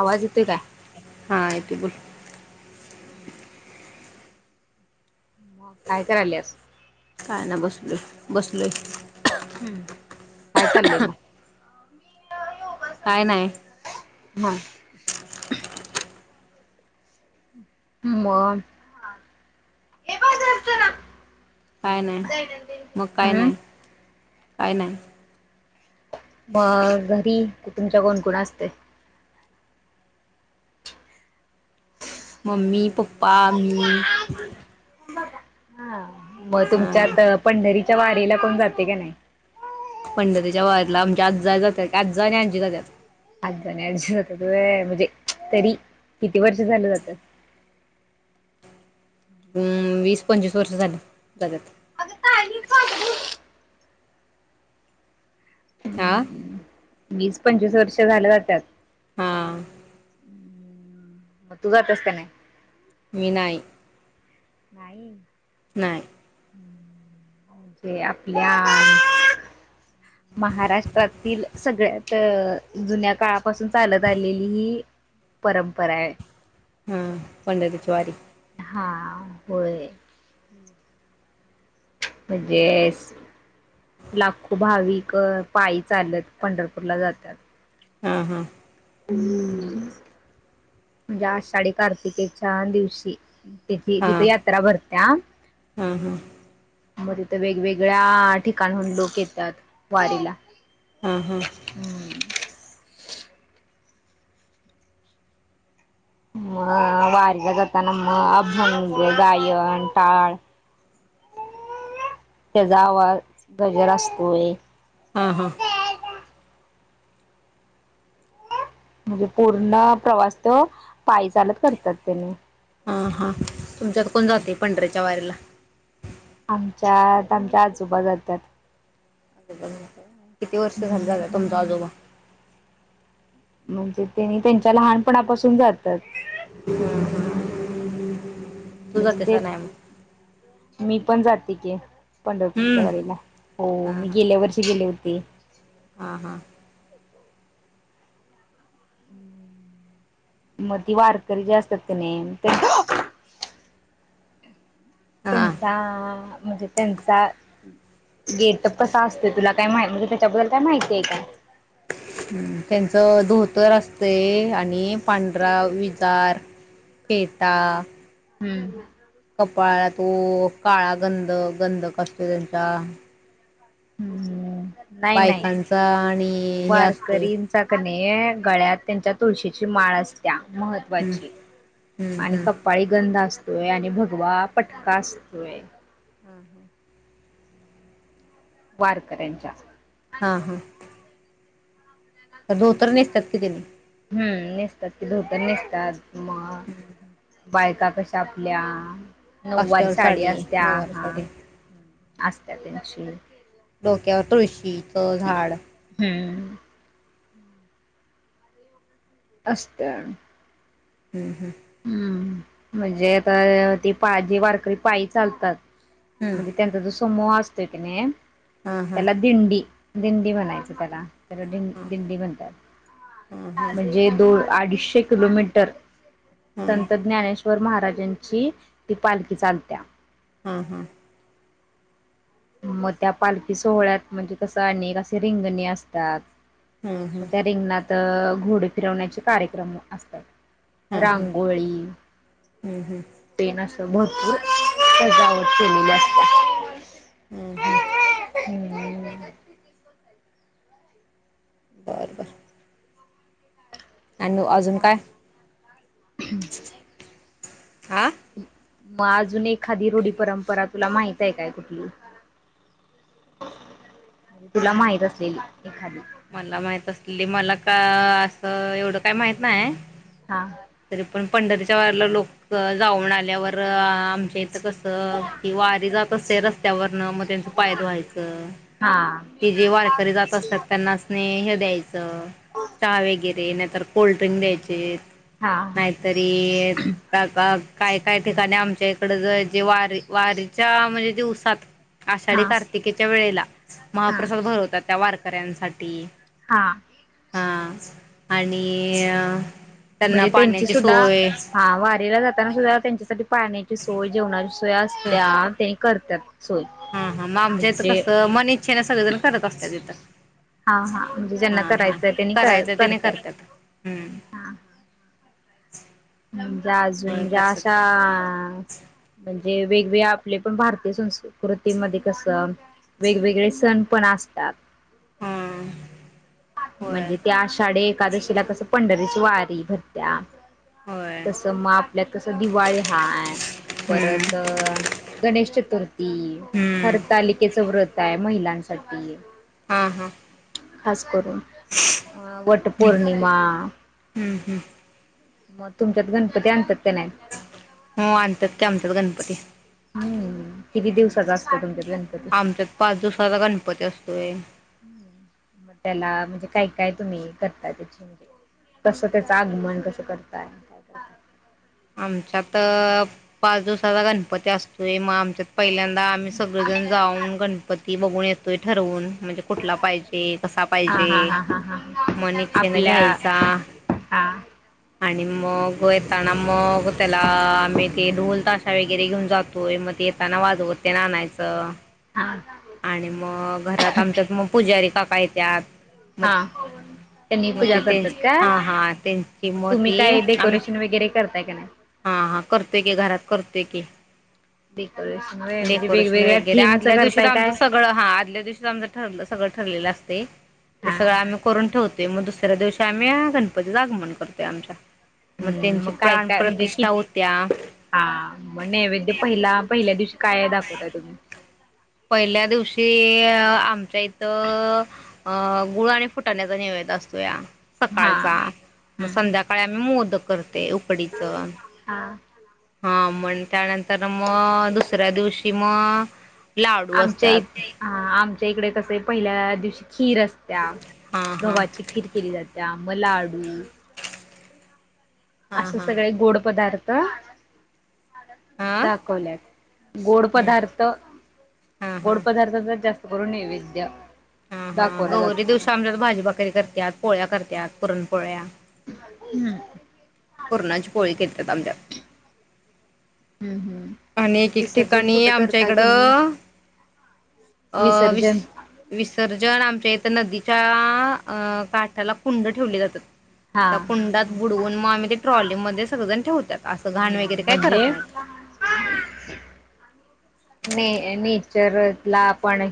आवाज येतोय काय? हा येते बोल [inaudible] म काय करायल्यास काय ना बसलोय. बसलोय हूं काय चाललंय काय नाही म मग काय नाय मकाय हम्म नाय काय नाही? मग घरी क तुमच्या कोण कोण असतय? ममी पप्पा पप्पा मी हा मग अ तुमच्यात पंढरी च्या वारीला कोण जातय का नाही? पंढरीच्या वारीला आमच्या आज्जा जातात आज्जा आणि आज्जी जातात. आजा आणि आजी जातात व्हय म्हणजे तरी किती वर्ष झालं जात्यात? हम् वीस पंचवीस वर्ष झाली जात्यात आग पाणी पाजे हां वीस पंचवीस वर्ष झाल जात्यात हा आ म तू जात्यास काय नाही? मि नाई नाई नाही. ते आपल्या आ महाराष्ट्रातील सगळ्यात अ जुन्या काळापासून चालत आलेली ही परंपरा आहे. हा पंढरी ची वारी हा होय म्हणजे लाखो भाविक पायी चालत पंढरपूरला जातात. हा हा ह् म्हणजे आषाढी कार्तिकेच्या दिवशी तिथे हां तिथे यात्रा भरत्या. हां हां मग तिथं वेगवेगळ्या ठिकाणहून लोक येतात वारीला हा हा हम्म. मग वारी ला जाताना मग अभंग, गायन, टाळ त्याचा आवाज गजर असतोय. हा हा म्हणजे पूर्ण प्रवास तो पायी चालत करतात तेनी हा हा तुमच्यात कोण जातय पंढरी च्या वारीला आमच्यात आमचे आजोबा जात्यात. किती वर्ष झालं जातात तुमच हम्म. आजोबा म्हणजे त्यांनी त्यांच्या लहानपणापासून जातात. [inaudible] तुझा म्हणजे ते तीसा नाही मग मी पण जाते की, पंढरपूरच्या हम्म. वारीला हो हा मी हा गेल्या वर्षी गेले होते. ते हा हा मग ती वारकरी जे असतात का नाही ते हा त्यांचा म्हणजे त्यांचा गेटप कसा असतय तुला काय माहि म्हणजे त्याच्याबद्दल काय माहिती आहे का? त्यांचं धोतर असतय आणि पांढरा विजार फेटा हम्म कपाळाला तो काळा गंध गंध एक असतो त्यांचा हम्म नाही नाही बायकांचा आणि हे असतोय आणि गळ्यात त्यांच्या तुळशीची माळ असत्या हम्म महत्त्वाची हम्म आणि कपाळी गंध असते होय आणि भगवा पटका असतोय. हा हा वारकऱ्यांच्या हा हा धोतर नेसतात कि त्यानी हम् नेसतात कि धोतर नेसतात मग [inaudible] बायका कशा आपल्या नऊवारी काष्ट्यावर साडी असते आ नऊवारी हा साडी असत्यात ते तसे डोक्यावर तुळशीचं झाड हम् असत्या हम् हं हम्म म्हणजे आता ते पा जे वारकरी पायी चालतात हम्म म्हणजे त्यांचा जो समूह अस असतय क नाही हा हा त्याला दिंडी दिंडी मनायच त्याला त्याला दिंड हा दिंडी हा हा म्हणतात म्हणजे दोन अडीचशे किलोमीटर हा संत ज्ञानेश्वर श्वर महाराजांची ती पालखी चालत्या हा हा मग त्या पालखी सोहळ्यात म्हणजे कसं अनेक असे रिंगणे असतात. हा म रिंगणात त घोडे फिरवण्याचे कार्यक्रम असतात. हा रांगोळी हा हा ते नस भरपूर सजावट केलेली असत्या हम्म हम्म ह [inaudible] आणि मग अजून काय? हा मग अजून एखादी रूढी परंपरा तुला माहित आहे काय कुठली तुला माहित असलेली एखादी मला माहित असली मला का असं एवढं काय माहित नाही? हा तरी पण पंढरीच्या वारीला लोक जाऊन आल्यावर आमच्या इथं कस ती वारी जात असते रस्त्यावरन मग त्यांच पाय धुवायचं हा. ती जे वारकरी जात असतात त्यासनी हे द्यायच चहा वगैरे तर कोल्ड्रिंक द्यायचे हा नाहीतरी का काय काय ठिकाणी आमच्या इकड ज जे वारी वारीच्या म्हणजे दिवसात हा आषाढी कार्तिकेच्या वेळेला हा महाप्रसाद भरवतात त्या वार हा [unintelligible] हा आणि त्यांना म्हणजे त्यांची पाण्याची सुद्धा सोय हा वारीला जाताना सुद्धा त्यांच्यासाठी पाण्या सोय जेवनाची सोय रस्त्यावर टॅकर तर हा हा मग आमच्या इथ कसं मन इच्छे न सगळेजण करत असत तिथं हा हा म्हणजे हा ज्यांना हा करायचंय त्यांनी करायचं त्याने करत्यात करतात हम्म हा म्हणजे होय अजून करतात अशा ते वेगवेगळी आपली पण भारतीय संस्कृती कृतीमध्येध्ये कसं वेगवेगळे सण पण असतात ह त्यांन काय होतय होय म्हणजे त्या आषाढी एकादशीला कस पण पंढरीची वारी भरतीया होय तस म आपल्यात कस दिवाळी हाय हम्म परत गणेश चतु [unintelligible] हम् हम्म हरतालिकेचं व्रत काय महिलांसाठी हा हा हास करून हा वटपौर्णिमा हमम् म तुमच्यात गणपती आणत्यात? हो आणत्यात की आमच्यात गणप पती. हम्म किती हम् दिवसाचा असतो तुमच्यात गणपती आमच्यात पाच दिवसाचा गणपती असतोय. हम्म. मग त्याला म्हणजे काय काय तुम्ही करताय त्याची म्हजे कसं त्याचं आगमन कस करताय काय करताय आमच्यात पाच दिवसाचा गणपती असतोय मग आमच्यात पहिल्यांदा आम्ही सगळेजण जाऊन गणपती ती बघून येतोय ठरवून म्हणजे कुठला पाहिजे कसा हा पाहिजे हा हा हा मन हा इच्छेने आपल्या घ्यायचा हा आणि मग येताना मग त्याला आम्ही ते ढोल ताशा वगैरे घेऊन जातोय मग ते येताना वाजवत तेन आणायचं हा आणि मग घरात आमच्यात मग पुजारी काका पा येत्यात मग हा त्यांनी मग पूजा ते करतात त्यांची काय हा हा त्यांची मग मग तुम्ही ती काय आम्ही डेकोरेशन वगैरे करताय काय नाही? हा हा करतोय की घरात करतोय की डेकोरेशन व्हय म्हणजे डेकोरेशन वेगवेगळ्या वगैरे थीमच आदल्या दिवशीच करताय आमचं काय सगळं हा आदल्या दिवशी आमचं ठरलं सगळं ठरलेलं असतय. ते हा सगळं आम्ही करून ठेवतो. ते मग दुसऱ्या दिवशी आम्ही गणपतीचं आगमन करतोय आमच्या म हम्म त्यांची मग प्राण प्रत [unintelligible] हा म नेवैद्य पहिला पहिल्या दिवशी काय दाखवताय तुम्ही पहिल्या दिवशी आमच्या इथं अ गुळ आणि फुटाण्याचा नेवैद्य असतोया हा सकाळचा मग हम्म संध्याकाळी आम्ही मोदक करत ते उकडीचं हा हा मग त्यानंतर तर मग दुसऱ्या दिवशी म आमच्या इ आम आच्या इकडे कसे पहिल्या दिवशी खीर असत्या हा हा गव्हाची खीर केली जाते त्या म लाडू हा असं हा सगळे गोड पदार्थ आ.. [unintelligible] हा [unintelligible] दाखवल्या गोड हम्म पदार्थ हा गोड हा पदार्थ जर जास्त गुरू नैवेद्य हा हा दाखवला गौरी जातो दिवसा आमच्यात भाजी भाकरी करत्यात पोळ्या करत्या पुरणपोळ्या [unintelligible] हम्म पुरणाची पोळी केलत्यात आमच्यात हम्म हम्म आणि एक एक विसर्जन ठिकाणी कुठं आमच्या करताय इकड अ तुम्ही विस विसर्जन विसर्जन आमच्या नदीच्या अ काठाला कुंड ठेवले जातात हा त्या कुंडात बुडवून मग आम्ही ते ट्रॉलीमध्ये सगळेजण ठेवतात असं घाण हम्म वगैरे काही करत म्हणजे नाहीत [unintelligible] ने नेचर ला पण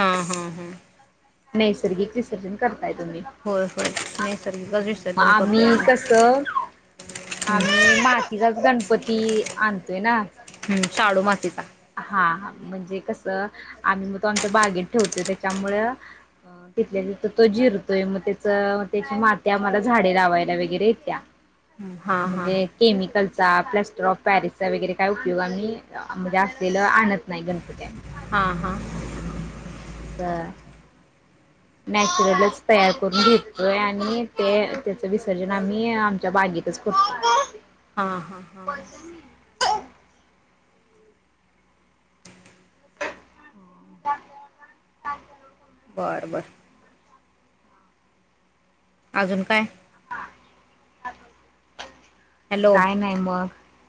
हा हा हा नैसर्गिक विसर्जन कर तुम्ही होय होय नैसर्गिकच विसर्जन आम्ही करतोय कस हम्म आम्ही [unintelligible] मातीचाच गणपती आणतोय ना तीचा हा हा म्हणजे कसं आम्ही मग तो आमच्या बागेत ठेवतोय त्याच्यामुळं तिथल्या तिथ तो जिरतोय मग त्याच त्याची माती आम्हाला झाडे लावायला वगैरे येत्या हां हां म्हणजे केमिकलचा प्लास्टर ऑफ पॅरिसचा वगैरे काय उपयोग आम्ही म्हणजे [unintelligible] आणत नाही गण [inaudible] हा हा अस नॅचरलच [unintelligible] तयार करून घेतोय आणि ते [unintelligible] त्याच विसर्जन आम्ही आमच्या बागेतच करतो हां हां हां हां [inaudible] बरं बरं अजून काय? [inaudible] हॅलो काय नाही? मग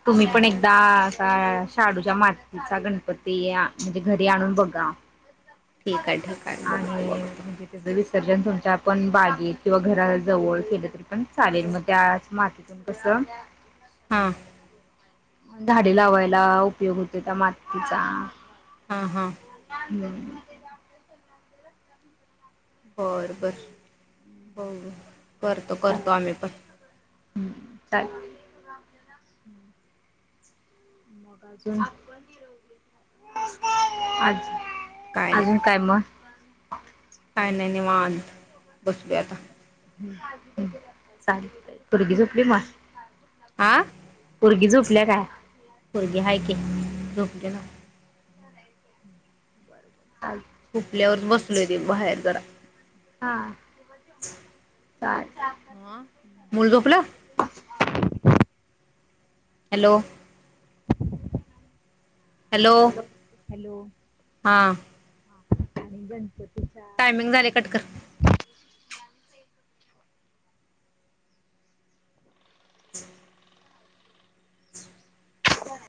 तुम्ही हां पण हां एकदा असा शाडूच्या मातीचा गणपती आ म्हणजे घरी आणून बघा ठीक आहे ठीक [inaudible] आहे बघतो आणि बघतो म्हणजे ते विसर्जन तुमच्या पण बागेत किंवा घरा जवळ केलं तरी पण चालेल मग त्याच मातीतून कस हा झाडे लावायला उपयोग होतोय त्या मातीचा हां हां [unintelligible] होय बर होय. करतो करतो आम्ही पण हम्म छान मग अजून आज अजून काय मग? [inaudible] काय नाही निवांत बसलोय आता? [inaudible] चालतंय पूर्गी झोपली म आ पोरगी हाय की झोप त्यानं आई झुपल्यावरच बसलोय बाहेर जरा हा चालतय. मुल झोपल. [inaudible] हॅलो हॅलो हॅलो हा हा आणि गणपत टायमिंग झाले कट कर. [inaudible] व्हय